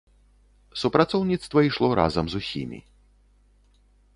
Супрацоўніцтва ішло разам з усімі.